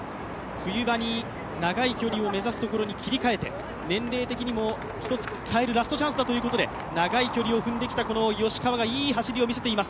冬場に長い距離を目指すところに切り替えて、年齢的には１つ変えるラストチャンスだということで、長い距離を踏んできた吉川がいい走りを見せています。